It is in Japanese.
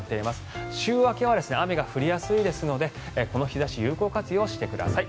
週明けは雨が降りやすいですのでこの日差しを有効活用してください。